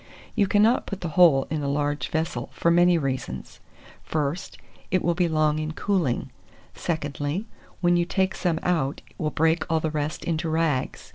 You cannot put the whole in a large vessel, for many reasons: first, it will be long in cooling; secondly, when you take some out, it will break all the rest into rags.